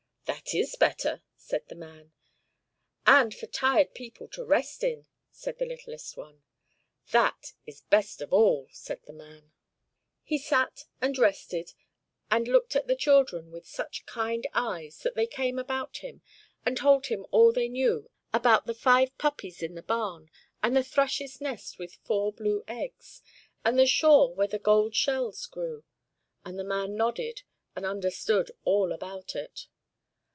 "That is better!" said the man. "And for tired people to rest in!" said the littlest one. "That is best of all!" said the man. He sat and rested, and looked at the children with such kind eyes that they came about him, and told him all they knew; about the five puppies in the barn, and the thrush's nest with four blue eggs, and the shore where the gold shells grew; and the man nodded and understood all about it.